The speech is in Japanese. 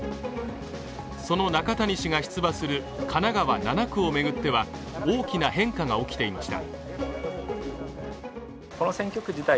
その中谷氏が出馬する神奈川７区を巡っては大きな変化が起きていました。